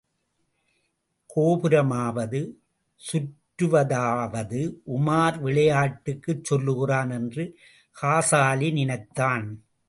கோபுரமாவது, சுற்றுவதாவது உமார் விளையாட்டுக்குச் சொல்லுகிறான் என்று காசாலி நினைத்தான்.